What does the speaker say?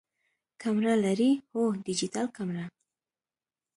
کمره لرئ؟ هو، ډیجیټل کمره